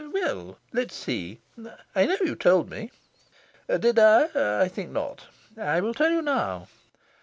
"Well, let's see... I know you told me." "Did I? I think not. I will tell you now...